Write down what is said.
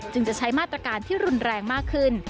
จะใช้มาตรการที่รุนแรงมากขึ้น